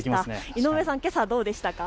井上さんはけさどうでしたか。